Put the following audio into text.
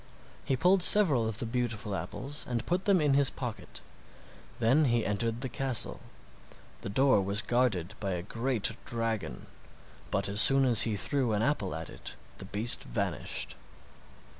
He pulled several of the beautiful apples and put them in his pocket; then he entered the castle. The door was guarded by a great dragon, but as soon as he threw an apple at it the beast vanished.